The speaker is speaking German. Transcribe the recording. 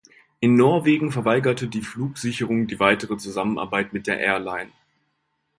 In Norwegen verweigerte die Flugsicherung die weitere Zusammenarbeit mit der Airline.